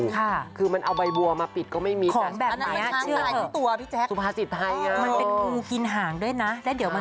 ก็สุภาษิตมาเย็นขนาดนี้